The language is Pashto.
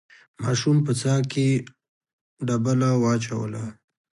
ماشوم په څاه کې ډبله واچوله.